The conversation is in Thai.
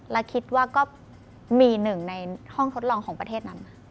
และคิดว่าก็มีหนึ่งในห้องทดลองของประเทศนั้น